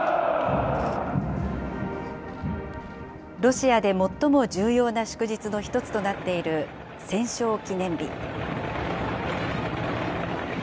ロシアで最も重要な祝日の１つとなっている、戦勝記念日。